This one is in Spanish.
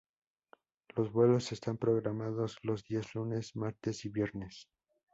Los vuelos están programados los días lunes, martes y viernes.